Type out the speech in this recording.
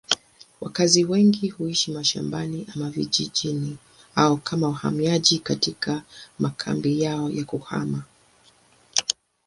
Wakazi wengi huishi mashambani ama vijijini au kama wahamiaji katika makambi yao ya kuhama.